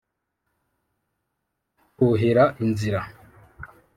mfuhira inzira